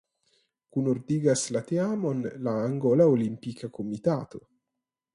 Kunordigas la teamon la Angola Olimpika Komitato.